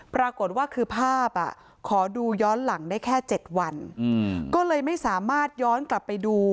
ปรากฏว่าคือภาพอ่ะขอดูย้อนหลังได้แค่๗วันก็เลยไม่สามารถย้อนกลับไปดู